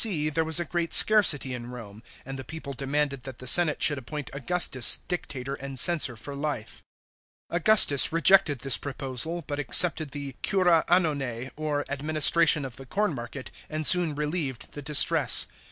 C. there was a great scarcity in Rome, and the people demanded that the senate should appoint Augustus dictator and censor for life. Augustus rejected this proposal, but accepted the cura annonee, or " administration of the corn market," and soon relieved the distress.